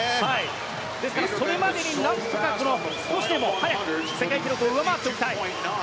ですからそれまでになんとか少しでも早く世界記録を上回っておきたい。